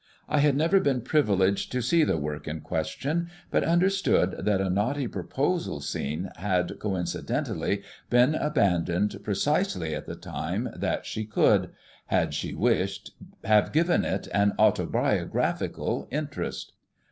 I had never been privileged to see the work in question, but understood that a knotty proposal scene had, coincidentally, been abandoned precisely at the time that she could, had she wished, have given it an autobiographical interest.